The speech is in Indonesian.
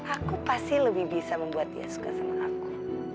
aku pasti lebih bisa membuat dia suka sama aku